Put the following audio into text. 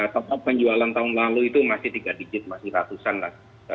total penjualan tahun lalu itu masih tiga digit masih ratusan lah